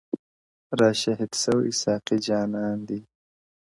را سهید سوی ـ ساقي جانان دی ـ